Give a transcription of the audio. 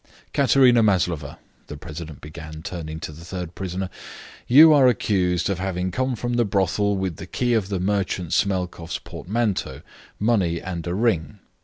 "Katerina Maslova," the president began, turning to the third prisoner, "you are accused of having come from the brothel with the key of the merchant Smelkoff's portmanteau, money, and a ring."